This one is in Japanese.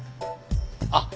あっ！